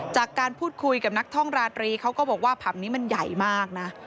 จากการพูดคุยกับนักท่องราตรีเขาก็บอกว่าผับนี้มันใหญ่มากนะ